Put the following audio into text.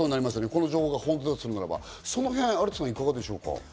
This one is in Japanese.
この情報が本当だとするなら、有田さん、いかがですか？